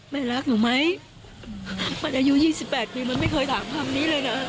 แม่รักหนูไหมมันอายุยี่สิบแปดนะมันไม่เคยทำความนี้เลยนะ